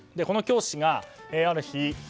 この教師がある日